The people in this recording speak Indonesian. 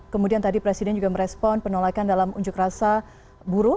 kemudian tadi presiden juga merespon penolakan dalam unjuk rasa buruh